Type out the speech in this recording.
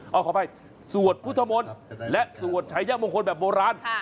เอาเข้าไปสวดพุทธมนต์และสวดฉาย่างมงคลแบบโบราณ